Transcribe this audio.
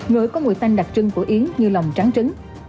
ngồi có mùi xanh đặc trưng của yến như lòng trắng trứng